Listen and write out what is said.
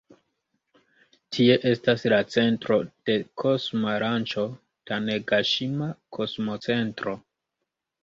Tie estas la centro de kosma lanĉo Tanegaŝima-Kosmocentro.